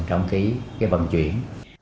trong cái vận chuyển